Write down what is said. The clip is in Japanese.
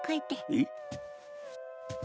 えっ？